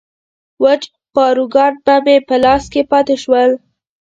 وچ پاروګان به مې په لاسو کې پاتې شول.